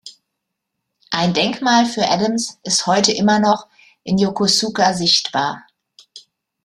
Ein Denkmal für Adams ist heute immer noch in Yokosuka sichtbar.